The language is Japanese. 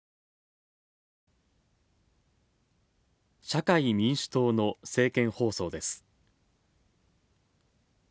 社会民主党の政見放送です。